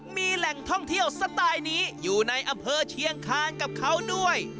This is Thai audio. มีแหล่งท่องเที่ยวสไตล์นี้อยู่ในอำเภอเชียงคานกับเขาด้วย